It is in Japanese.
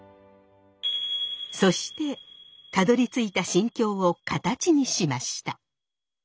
そしてたどりついた心境を形にしました。